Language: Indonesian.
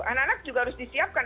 anak anak juga harus disiapkan